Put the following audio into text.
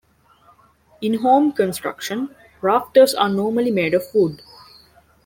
In home construction, rafters are normally made of wood.